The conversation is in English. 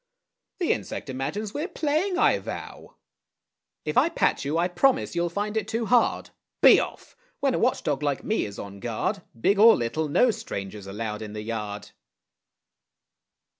The insect imagines we're playing, I vow! If I pat you, I promise you'll find it too hard. Be off! when a watch dog like me is on guard, Big or little, no stranger's allowed in the yard.